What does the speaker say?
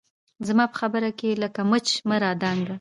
زما په خبره کښې لکه مچ مه رادانګه